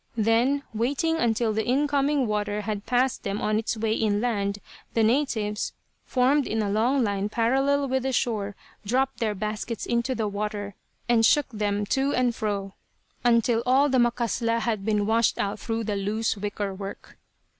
Then, waiting until the incoming water had passed them on its way inland, the natives, formed in a long line parallel with the shore, dropped their baskets into the water and shook them to and fro until all of the "macasla" had been washed out through the loose wicker work.